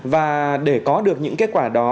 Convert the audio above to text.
và để có được những kết quả đó